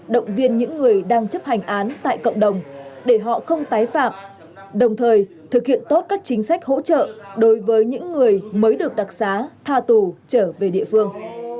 động viên những người đang chấp hành án tại cộng đồng để họ không tái phạm đồng thời thực hiện tốt các chính sách hỗ trợ đối với những người mới được đặc xá tha tù trở về địa phương